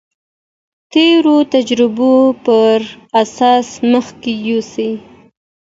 د تېرو تجربو پر اساس مخته يوسي.